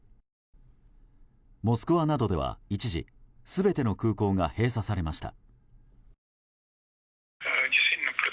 モスクワなどでは一時全ての空港が閉鎖されました。